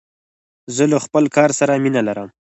زه له خپل کار سره مینه لرم.